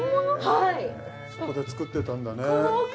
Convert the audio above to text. はいそこで作ってたんだね